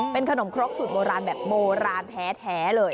เป็นขนมครกสูตรโบราณแบบโบราณแท้เลย